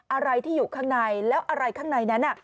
อะไรที่อยู่ข้างในแล้วอะไรข้างในนั้น